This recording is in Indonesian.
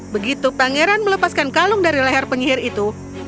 begitu pangeran melepaskan kalung dari leher penyihir itu